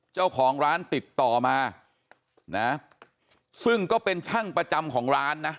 เจ้าของร้านติดต่อมานะซึ่งก็เป็นช่างประจำของร้านนะ